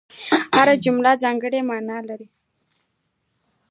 هره جمله ځانګړې مانا لري.